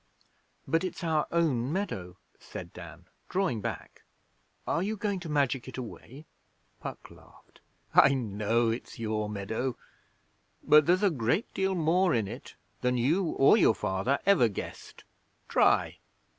'But it's our own meadow,' said Dan, drawing back. 'Are you going to magic it away?' Puck laughed. 'I know it's your meadow, but there's a great deal more in it than you or your father ever guessed. Try!'